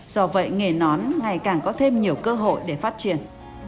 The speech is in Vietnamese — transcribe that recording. do vậy nghề nón ngày càng có thêm nhiều cơ hội để phát triển